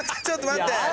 ちょっと待って。